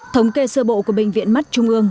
thống kê sơ bộ của bệnh viện mắt trung ương